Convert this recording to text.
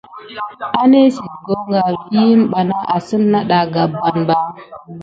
Anesiti goka vikine bana asine na kogan ba.